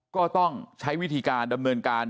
ก็ต้องใช้วิธีการดำเนินการ